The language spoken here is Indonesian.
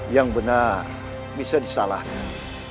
yang benar bisa disalahkan